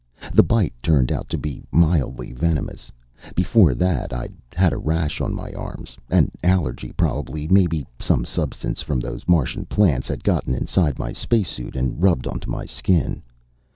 The bite turned out to be mildly venomous. Before that, I'd had a rash on my arms. An allergy, probably; maybe some substance from those Martian plants had gotten inside my spacesuit and rubbed onto my skin.